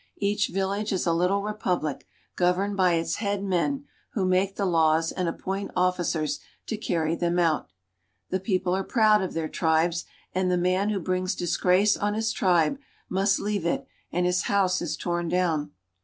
Each village is a little public, governed by its head men, who 'make the laws I appoint officers to carry them out. The people are ■oud of their tribes, and the man who brings disgrace on s tribe must leave it and his house is torn down.